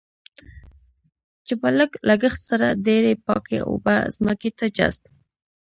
چې په لږ لګښت سره ډېرې پاکې اوبه ځمکې ته جذب.